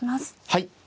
はい。